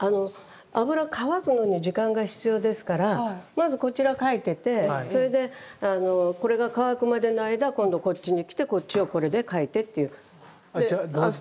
まずこちら描いててそれでこれが乾くまでの間今度こっちに来てこっちをこれで描いてっていう。